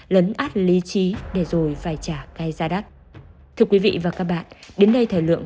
lấn át lý trí để rồi phải trả cay ra đắt thưa quý vị và các bạn đến đây thời lượng